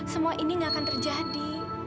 semua ini gak akan terjadi